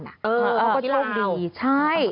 พี่ราวก็โชคดีใช่